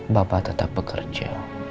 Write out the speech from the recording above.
bapak tetap bekerja